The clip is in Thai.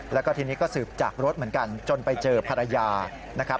แล้วก็ทีนี้ก็สืบจากรถเหมือนกันจนไปเจอภรรยานะครับ